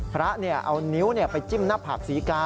พระเอานิ้วไปจิ้มหน้าผากศรีกา